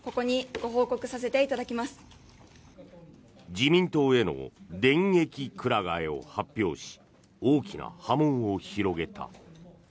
自民党への電撃くら替えを発表し大きな波紋を広げた。